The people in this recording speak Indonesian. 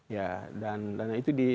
ya dan dana itu